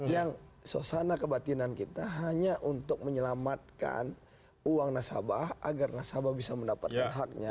yang suasana kebatinan kita hanya untuk menyelamatkan uang nasabah agar nasabah bisa mendapatkan haknya